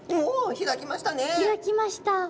開きました。